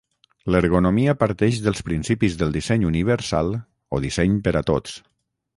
L'ergonomia parteix dels principis del disseny universal o disseny per a tots.